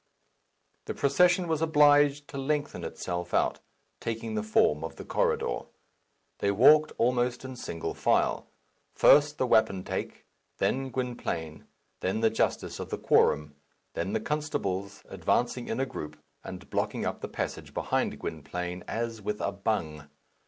The procession was obliged to lengthen itself out, taking the form of the corridor. They walked almost in single file; first the wapentake, then Gwynplaine, then the justice of the quorum, then the constables, advancing in a group, and blocking up the passage behind Gwynplaine as with a bung.